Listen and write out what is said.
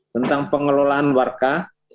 tentang pengelolaan warka